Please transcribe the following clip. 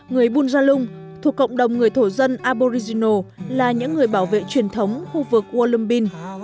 người bunjalung thuộc cộng đồng người thổ dân aboriginal là những người bảo vệ truyền thống khu vực uolumbin